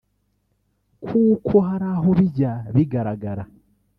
kuko hari aho bijya bigaragara